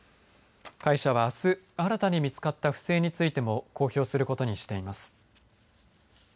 会社はあす新たに見つかった不正についても公表することにしています。